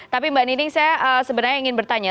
tapi mbak nining saya sebenarnya ingin bertanya